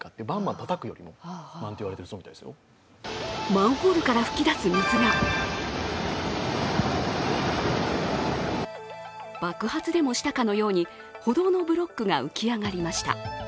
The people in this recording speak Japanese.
マンホールから噴き出す水が爆発でもしたかのように歩道のブロックが浮き上がりました。